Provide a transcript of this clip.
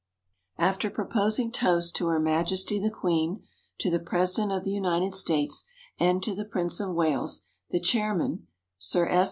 After proposing toasts to Her Majesty the Queen, to the President of the United States, and to the Prince of Wales, the chairman (Sir S.